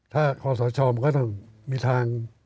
ถ้าขอสอชอบก็ต้องมีทาง